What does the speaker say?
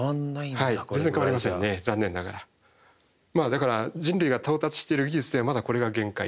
だから人類が到達している技術ではまだこれが限界と。